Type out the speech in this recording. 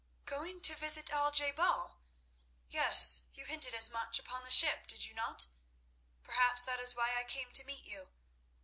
"Going to visit Al je bal? Yes, you hinted as much upon the ship, did you not? Perhaps that is why I came to meet you.